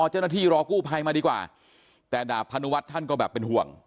เจ้าหน้าที่รอกู้ภัยมาดีกว่าแต่ดาบพนุวัฒน์ท่านก็แบบเป็นห่วง